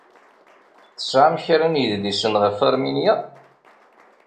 Tesɛam kra n yedlisen ɣef Aṛminya?